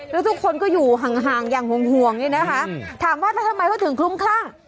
แล้วทุกคนก็อยู่ห่างอย่างห่วงนี่นะคะถามว่าแล้วทำไมเขาถึงคลุ้มคลั่ง